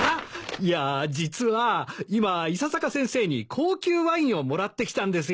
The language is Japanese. いや実は今伊佐坂先生に高級ワインをもらってきたんですよ。